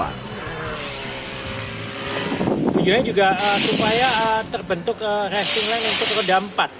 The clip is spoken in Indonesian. tujuannya juga supaya terbentuk racing line untuk roda empat